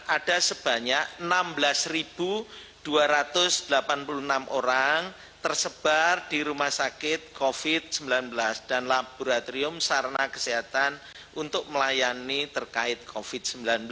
ada sebanyak enam belas dua ratus delapan puluh enam orang tersebar di rumah sakit covid sembilan belas dan laboratorium sarana kesehatan untuk melayani terkait covid sembilan belas